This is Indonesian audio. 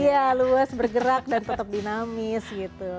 iya luas bergerak dan tetap dinamis gitu